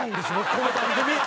この番組！